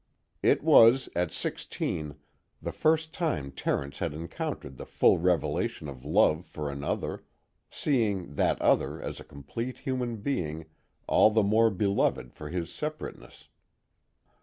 It was, at sixteen, the first time Terence had encountered the full revelation of love for another, seeing that other as a complete human being all the more beloved for his separateness.